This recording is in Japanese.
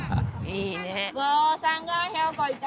いいね。